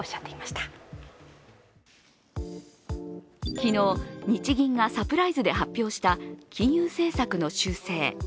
昨日、日銀がサプライズで発表した金融政策の修正。